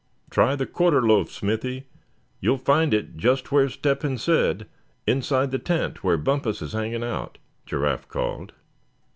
"Try the quarter loaf, Smithy; you'll find it just where Step hen said, inside the tent where Bumpus is hanging out," Giraffe called.